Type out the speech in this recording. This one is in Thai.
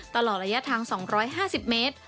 ตลอดระยะทาง๒๕๐เมตร